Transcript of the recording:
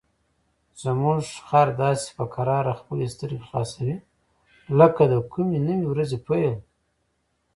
زموږ خر داسې په کراره خپلې سترګې خلاصوي لکه د کومې نوې ورځې پیل.